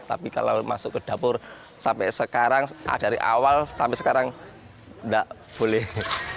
tapi kalau masuk ke dapur sampai sekarang dari awal sampai sekarang tidak boleh